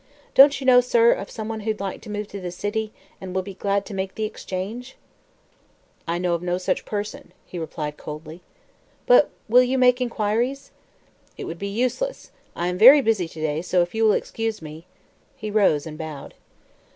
Don't you know, sir, of someone who'd like to move to the city, and will be glad to make the exchange?" "I know of no such person," he replied coldly. "But you will make inquiries?" "It would be useless. I am very busy to day, so if you will excuse me " He rose and bowed.